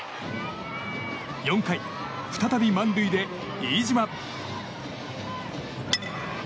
４回、再び満塁で飯嶋。